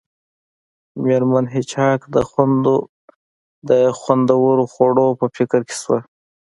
میرمن هیج هاګ د خوندورو خوړو په فکر کې شوه